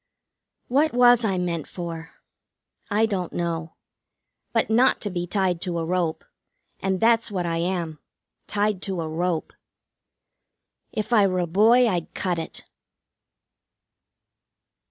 What was I meant for? I don't know. But not to be tied to a rope. And that's what I am. Tied to a rope. If I were a boy I'd cut it.